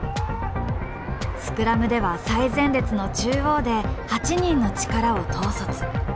スクラムでは最前列の中央で８人の力を統率。